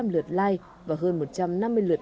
hai trăm linh lượt like và hơn một trăm năm mươi lượt